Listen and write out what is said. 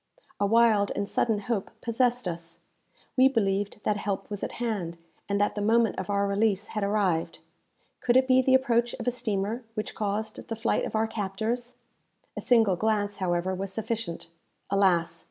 A wild and sudden hope possessed us. We believed that help was at hand, and that the moment of our release had arrived. Could it be the approach of a steamer which caused the flight of our captors? A single glance, however, was sufficient. Alas!